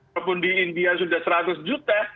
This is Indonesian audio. walaupun di india sudah seratus juta